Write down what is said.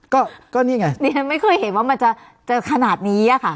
ก็ก็นี่ไงดิฉันไม่เคยเห็นว่ามันจะเจอขนาดนี้อะค่ะ